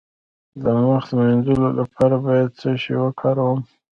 د مخ د مینځلو لپاره باید څه شی وکاروم؟